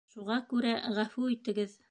Шуға күрә ғәфү итегеҙ...